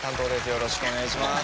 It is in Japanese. よろしくお願いします。